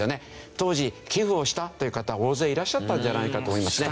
当時寄付をしたという方大勢いらっしゃったんじゃないかと思いますね。